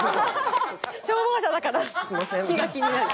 消防車だから火が気になる。